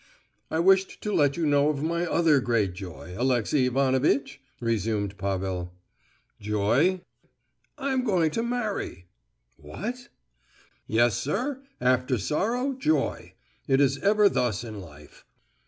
"I wished to let you know of my other great joy, Alexey Ivanovitch!" resumed Pavel. "Joy?" "I'm going to marry." "What?" "Yes, sir! after sorrow, joy! It is ever thus in life.